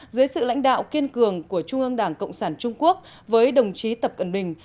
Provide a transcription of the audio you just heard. dưới sự lãnh đạo kiên cường của trung ương đảng cộng sản trung quốc với đồng chí tập cận bình